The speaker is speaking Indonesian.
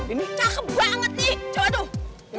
ini cakep banget nih